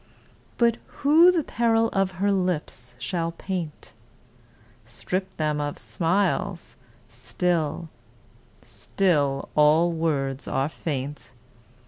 But who the peril of her lips shall paint? Strip them of smiles—still, still all words are faint!